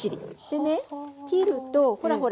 でね切るとほらほら